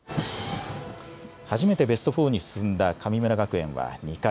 初めてベスト４に進んだ神村学園は２回。